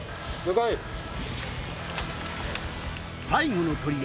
最後の砦。